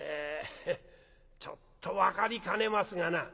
ちょっと分かりかねますがな」。